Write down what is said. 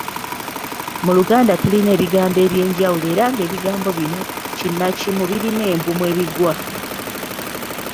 Mu Luganda tulina ebigambo eby'enjawulo era ng'ebigambo bino kinnakimu birina embu mwe bigwa